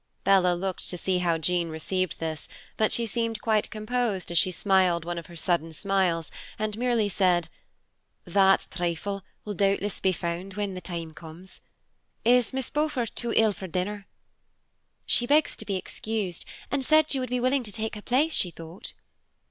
Bella looked to see how Jean received this, but she seemed quite composed as she smiled one of her sudden smiles, and merely said, "That trifle will doubtless be found when the time comes. Is Miss Beaufort too ill for dinner?" "She begs to be excused, and said you would be willing to take her place, she thought."